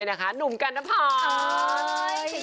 โอเคนะคะหนุ่มกันภพ